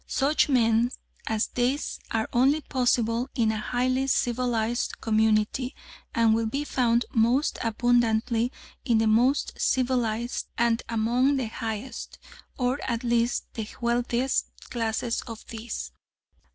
Such men as these are only possible in a "highly civilised" community, and will be found most abundantly in the most civilised and among the highest, or at least the wealthiest classes of these.